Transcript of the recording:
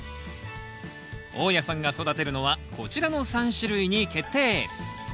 大家さんが育てるのはこちらの３種類に決定！